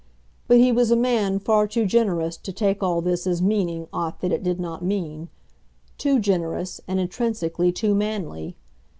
But he was a man far too generous to take all this as meaning aught that it did not mean, too generous, and intrinsically too manly.